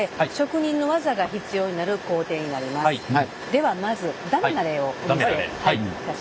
ではまずダメな例をお見せいたします。